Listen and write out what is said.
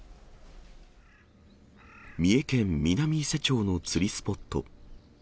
三重県南伊勢町の釣りスポット。